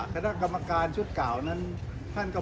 คณะกรรมการชุดเก่านั้นท่านก็